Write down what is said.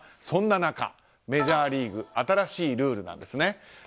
そんな中、メジャーリーグ新しいルールなんですね。